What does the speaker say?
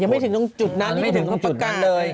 ยังไม่ถึงต้องจุดนั้นไม่ถึงต้องประกาศเลย